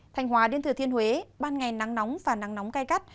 thành hòa đến thừa thiên huế ban ngày nắng nóng và nắng nóng cay cắt